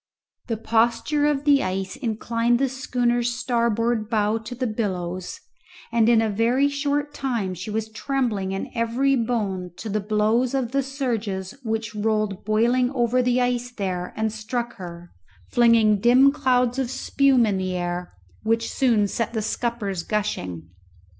The posture of the ice inclined the schooner's starboard bow to the billows; and in a very short time she was trembling in every bone to the blows of the surges which rolled boiling over the ice there and struck her, flinging dim clouds of spume in the air, which soon set the scuppers gushing.